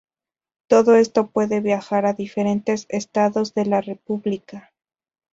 Todo esto puede viajar a diferentes estados de la República.